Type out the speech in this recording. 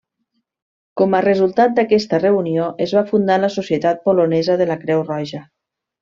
Com a resultat d'aquesta reunió, es va fundar la Societat Polonesa de la Creu Roja.